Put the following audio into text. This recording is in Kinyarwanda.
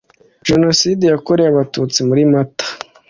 Jenoside Yakorewe Abatutsi muri Mata